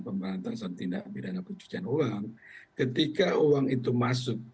pemerintahan tindak bidang kejujuran uang ketika uang itu masuk